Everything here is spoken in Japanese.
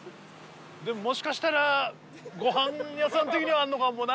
でももしかしたらごはん屋さん的にはあるのかもなー！